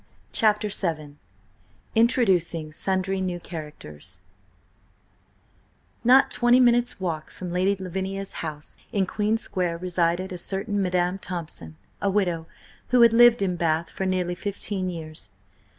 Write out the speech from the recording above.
CHAPTER VII INTRODUCING SUNDRY NEW CHARACTERS NOT twenty minutes' walk from Lady Lavinia's house in Queen Square resided a certain Madam Thompson–a widow–who had lived in Bath for nearly fifteen years.